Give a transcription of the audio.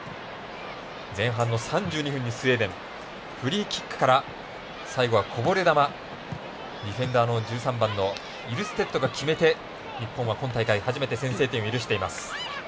前半の３２分にスウェーデンフリーキックから最後は、こぼれ球ディフェンダーの１３番イルステッドが決めて日本は今大会初めて先制点を許しています。